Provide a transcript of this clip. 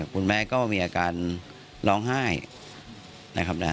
คุณแม่ก็มีอาการร้องไห้นะครับ